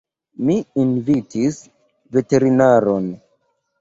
Ni invitis veterinaron.